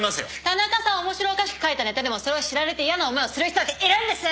田中さんは面白おかしく書いたネタでもそれを知られて嫌な思いをする人だっているんです！